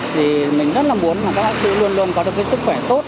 thì mình rất là muốn là các bác sĩ luôn luôn có được cái sức khỏe tốt